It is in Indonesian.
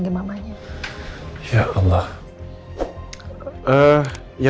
danmu banget dzisiaj shay